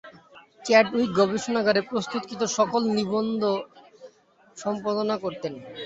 Chadwick গবেষণাগারে প্রস্তুতকৃত সকল নিবন্ধ সম্পাদনা করতেন।